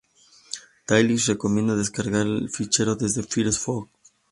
Tails recomienda descargar el fichero desde Firefox